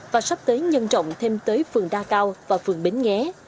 và sắp tới nhân trọng thêm tới phường đa cao và phường bến nghé